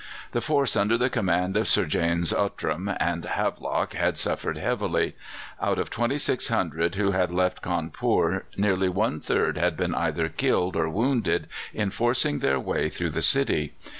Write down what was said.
The force under the command of Sir James Outram and Havelock had suffered heavily. Out of 2,600 who had left Cawnpore nearly one third had been either killed or wounded in forcing their way through the city.